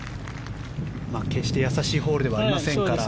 決してやさしいホールではありませんから。